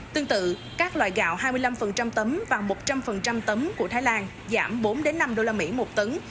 tương tự các loại gạo hai mươi năm tấm và một trăm linh tấm của thái lan giảm bốn năm đô la mỹ một tấn